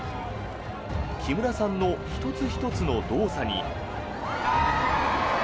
木村さんの１つ１つの動作に。